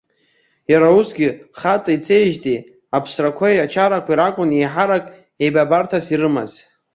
Иара усгьы, хаҵа ицеижьҭеи, аԥсрақәеи ачарақәеи ракәын еиҳарак еибабарҭас ирымаз.